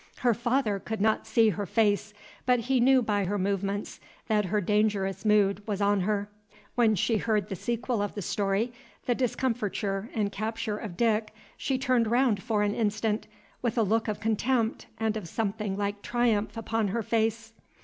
Her father could not see her face, but he knew by her movements that her dangerous mood was on her. When she heard the sequel of the story, the discomfiture and capture of Dick, she turned round for an instant, with a look of contempt and of something like triumph upon her face.